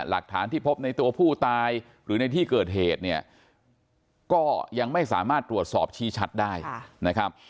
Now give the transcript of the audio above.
หลักฐานที่พบในตัวผู้ตายหรือในที่เกิดเหตุเนี่ยก็ยังไม่สามารถตรวจสอบชี้ชัดได้นะครับ